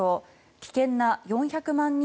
危険な４００万人